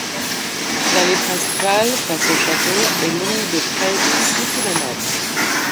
L'allée principale, face au château est longue de près de six kilomètres.